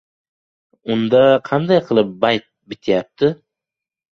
— Unda, qanday qilib bayt bityapti?